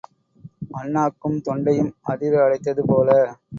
அண்ணாக்கும் தொண்டையும் அதிர அடைத்தது போல.